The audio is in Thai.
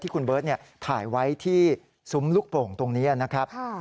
คุณเบิร์ตถ่ายไว้ที่ซุ้มลูกโป่งตรงนี้นะครับ